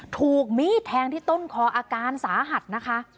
ถูกมีดแทงที่ต้นคออาการสาหัสนะคะ